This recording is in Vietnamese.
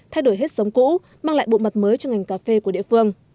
thay đổi hết giống cũ mang lại bộ mặt mới cho ngành cà phê của địa phương